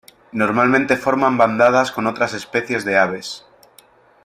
Normalmente forman bandadas con otras especies de aves.